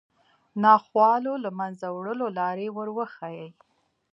ناخوالو له منځه وړلو لارې وروښيي